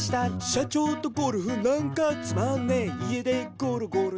「社長とゴルフなんかつまんねえ家でゴロゴロしてた方がマシだい」